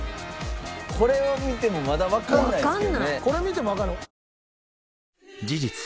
これを見てもまだわかんないですけどね。